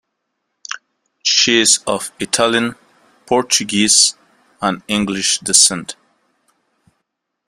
She is of Italian, Portuguese, and English descent.